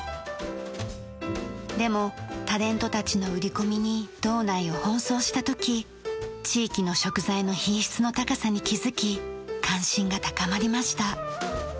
でもタレントたちの売り込みに道内を奔走した時地域の食材の品質の高さに気づき関心が高まりました。